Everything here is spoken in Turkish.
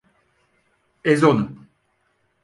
Ez onu!